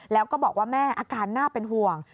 แล้วก็บอกว่าแม่อาการน่าเป็นห่วง